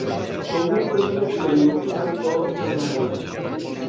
সঙ্গীত পরিচালক ছিলেন লক্ষ্মীকান্ত-প্যায়ারেলাল।